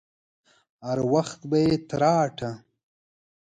هر وخت به يې تراټه.